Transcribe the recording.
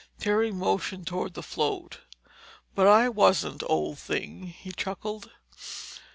Terry motioned toward the float. "But I wasn't, old thing," he chuckled.